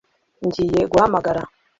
Ngiye guhamagara